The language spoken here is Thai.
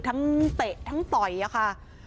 พยายามจะปกป้องแฟนน่าหนุ่ม